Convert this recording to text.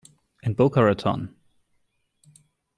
In Boca Raton.